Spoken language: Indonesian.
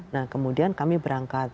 nah kemudian kami berangkat